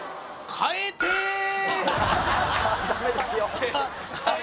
変えてえ！